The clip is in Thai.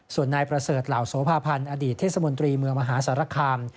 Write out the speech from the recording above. ส่วนนายประเสริฐเหล่าโสภาพันธ์อดีตเทศมนตรีเมืองมหาสารคาม